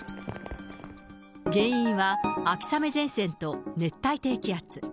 原因は、秋雨前線と熱帯低気圧。